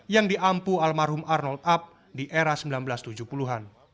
yang diampu almarhum arnold up di era seribu sembilan ratus tujuh puluh an